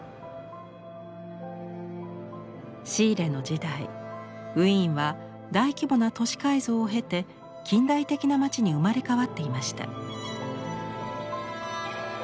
シーレの時代ウィーンは大規模な都市改造を経て近代的な街に生まれ変わっていました。